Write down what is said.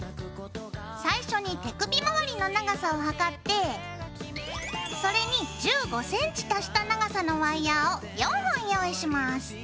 最初に手首周りの長さを測ってそれに１５ｃｍ足した長さのワイヤーを４本用意します。